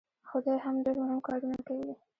خو دی هم ډېر مهم کارونه کوي.